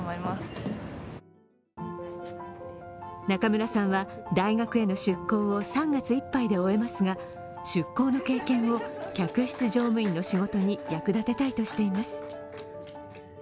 中村さんは大学への出向を３月いっぱいで終えますが出向の経験を客室乗務員の仕事に役立てたいとしています。